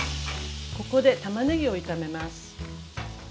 ここでたまねぎを炒めます。